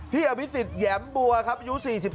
พี่อบิศิษฐ์แหย่มบัวครับยู๔๓